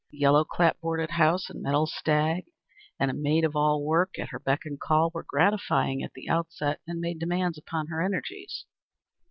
The yellow clapboarded house and metal stag, and a maid of all work at her beck and call, were gratifying at the outset and made demands upon her energies.